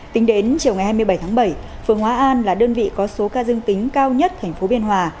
tính đến chiều ngày hai mươi bảy tháng bảy phường hóa an là đơn vị có số ca dương tính cao nhất thành phố biên hòa